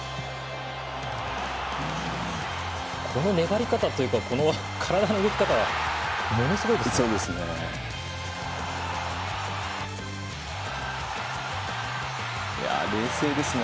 この粘り方というか体の動き方はものすごいですよね。